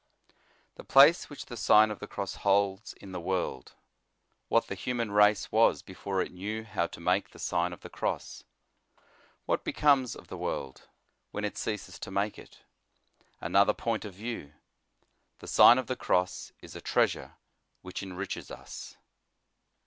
TUK PLACE wnroH THE SIGN or THE CROSS HOLDS IIT THE WORLD WllAT THE HUMAN RACE WAS BRFORE IT KNEW HOW TO MAKE THE SIGN OF THE J ROSS WHAT BKCOMES OF THE WORLD WHEN IT CEASES TO MAKE IT ANOTHER POINT OF VIEW: TUB SIGN or THE CROSS is A TREASUKB WHICH ENRICHES us.